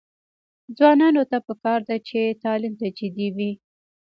ځوانانو ته پکار ده چې، تعلیم ته جدي وي.